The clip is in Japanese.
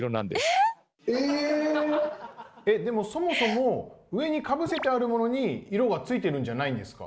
⁉でもそもそも上にかぶせてあるものに色がついてるんじゃないんですか？